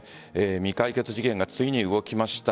未解決事件がついに動きました。